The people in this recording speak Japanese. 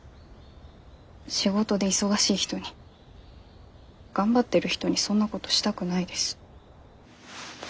仕事で忙しい人に頑張ってる人にそんなことしたくないです。